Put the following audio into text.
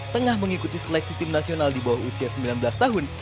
tengah mengikuti seleksi tim nasional di bawah usia sembilan belas tahun